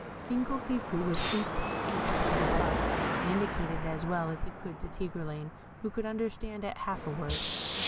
King Coquerico was instantly anxious to depart, and indicated it as well as he could to Tigreline, who could understand at half a word.